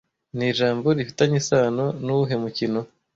nijambo rifitanye isano nuwuhe mukino